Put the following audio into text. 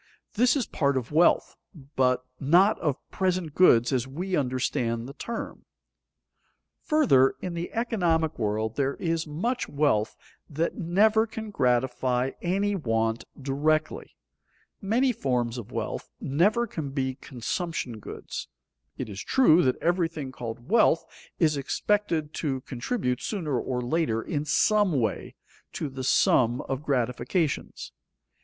This is a part of wealth, but not of "present goods" as we understand the term. [Sidenote: Some goods never can become enjoyable goods] Further, in the economic world there is much wealth that never can gratify any want directly; many forms of wealth never can be consumption goods. It is true that everything called wealth is expected to contribute sooner or later in some way to the sum of gratifications.